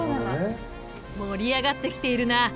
盛り上がってきているな。